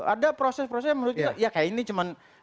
ada proses proses yang menurut kita ya kayak ini cuma